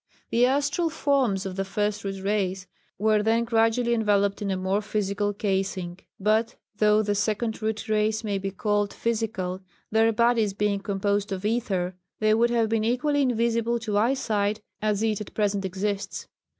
The astral forms of the First Root Race were then gradually enveloped in a more physical casing. But though the Second Root Race may be called physical their bodies being composed of ether they would have been equally invisible to eyesight as it at present exists.